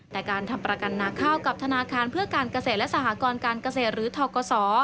แต่การทำประกันนาข้าวกับธนาคารเพื่อการเกษตรและสหกรการเกษตรหรือทกศ